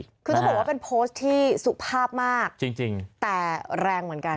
คุณต้องบอกว่าเป็นโพสต์ที่สุภาพมากแต่แรงเหมือนกัน